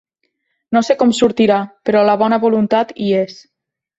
No sé com sortirà, però la bona voluntat hi és.